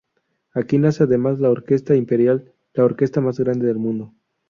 Aquí nace además la Orquesta Imperial, la orquesta más grande del mundo.